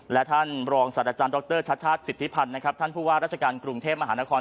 และท่านรองศาสตราจารย์ดรชัชชาติสิทธิพันธ์นะครับท่านผู้ว่าราชการกรุงเทพมหานคร